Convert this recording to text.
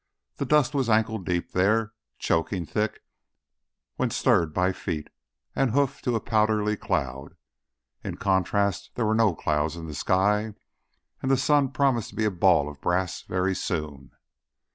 The dust was ankle deep there, choking thick when stirred by feet and hoof to a powdery cloud. In contrast, there were no clouds in the sky, and the sun promised to be a ball of brass very soon.